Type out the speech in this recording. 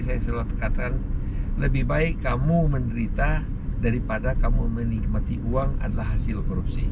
saya selalu katakan lebih baik kamu menderita daripada kamu menikmati uang adalah hasil korupsi